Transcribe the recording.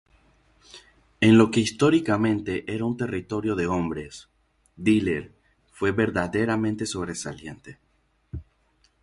En lo que históricamente era un territorio de hombres, Diller fue verdaderamente sobresaliente.